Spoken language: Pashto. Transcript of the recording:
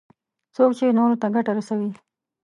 څوک چې نورو ته ګټه رسوي.